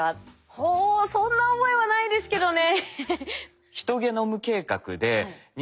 ほおそんな覚えはないですけどね。